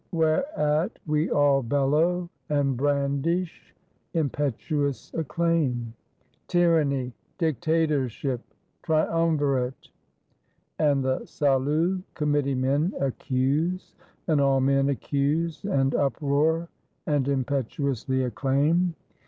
— Whereat we all bellow, and brandish, impetu ous acclaim. "Tyranny! Dictatorship! Triumvirate!" And the Salut Committee men accuse, and all men accuse, and uproar, and impetuously acclaim.